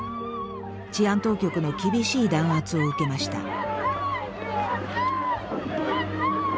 治安当局の厳しい弾圧を受けました。